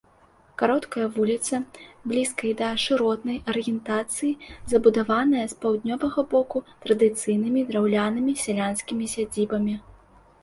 Кароткая вуліца блізкай да шыротнай арыентацыі забудаваная з паўднёвага боку традыцыйнымі драўлянымі сялянскімі сядзібамі.